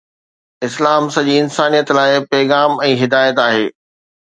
اسلام سڄي انسانيت لاءِ پيغام ۽ هدايت آهي.